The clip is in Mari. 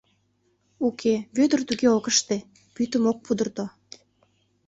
Уке, Вӧдыр туге ок ыште: пӱтым ок пудырто.